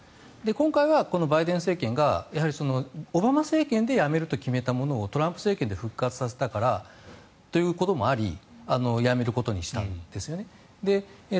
今回は、このバイデン政権がオバマ政権でやめると決めたものをトランプ政権で復活すると決めたということもありやめることにしたんですね。